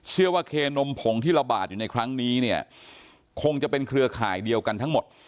เคนมผงที่ระบาดอยู่ในครั้งนี้เนี่ยคงจะเป็นเครือข่ายเดียวกันทั้งหมด